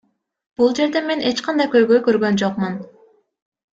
Бул жерден мен эч кандай көйгөй көргөн жокмун.